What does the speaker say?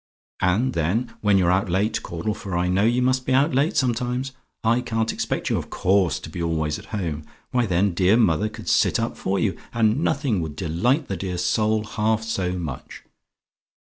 "And then, when you're out late, Caudle for I know you must be out late sometimes: I can't expect you, of course, to be always at home why then dear mother could sit up for you, and nothing would delight the dear soul half so much.